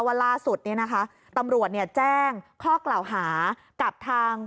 ว่าล่าสุดเนี่ยนะคะตำรวจแจ้งข้อกล่าวหากับทาง